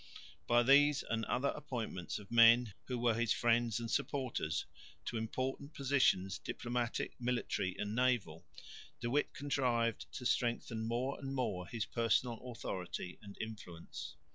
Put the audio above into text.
By these and other appointments of men who were his friends and supporters, to important positions diplomatic, military and naval, De Witt contrived to strengthen more and more his personal authority and influence.